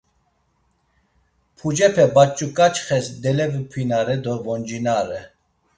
Pucepe Baç̌uǩaçxes delevupinare do voncinare.